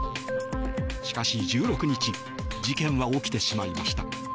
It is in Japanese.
しかし、１６日事件は起きてしまいました。